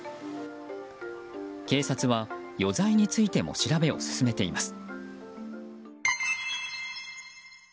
警察は余罪についても調べを進めています。